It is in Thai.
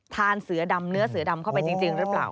เสือดำเนื้อเสือดำเข้าไปจริงหรือเปล่า